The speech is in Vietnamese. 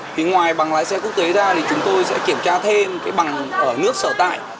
thì ngoài bằng lái xe quốc tế ra thì chúng tôi sẽ kiểm tra thêm cái bằng ở nước sở tại